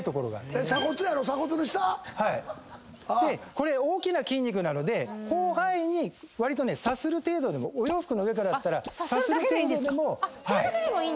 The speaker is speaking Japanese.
これ大きな筋肉なので広範囲にさする程度でもお洋服の上からだったらさする程度でも。